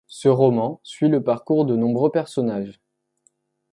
Ce roman suit le parcours de nombreux personnages.